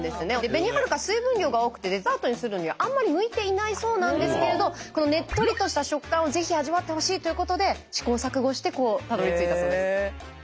べにはるか水分量が多くてデザートにするのにはあんまり向いていないそうなんですけれどこのねっとりとした食感をぜひ味わってほしいということで試行錯誤してたどりついたそうです。